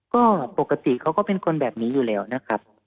ก็ปกติเขาก็เป็นคนแบบนี้อยู่แล้วนะครับ